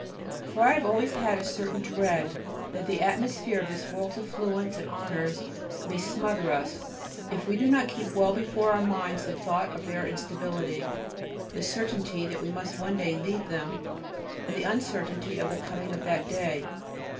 for I always have a certain dread that the atmosphere of this world's affluence and honours may smother us if we do not keep well before our minds the thought of their instability, the certainty that we must one day leave them, and the uncertainty of the coming of that day.